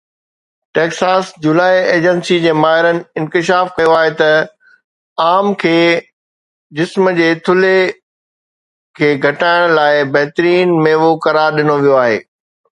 Texas جولاءِ agency جي ماهرن انڪشاف ڪيو آهي ته آم کي جسم جي ٿلهي کي گهٽائڻ لاءِ بهترين ميوو قرار ڏنو ويو آهي